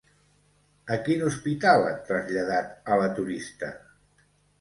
A quin hospital han traslladat a la turista?